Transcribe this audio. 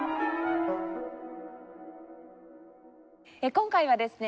今回はですね